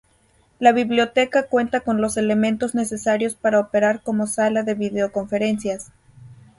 La biblioteca cuenta con los elementos necesarios para operar como sala de videoconferencias.